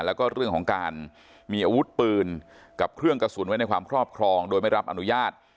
แล้วก็เรื่องของการมีอาวุธปืนกับเครื่องกระสุนไว้ในความครอบครองโดยไม่รับอนุญาต